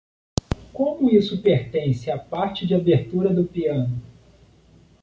Como isso pertence à parte de abertura do piano?